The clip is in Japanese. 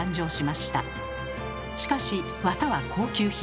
しかしわたは高級品。